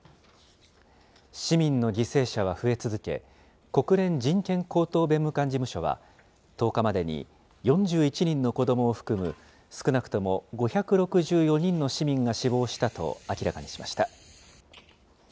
市民の犠牲者は増え続け、国連人権高等弁務官事務所は１０日までに、４１人の子どもを含む少なくとも５６４人の市民が死亡したと明らかにしました。